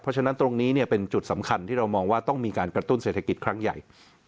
เพราะฉะนั้นตรงนี้เป็นจุดสำคัญที่เรามองว่าต้องมีการกระตุ้นเศรษฐกิจครั้งใหญ่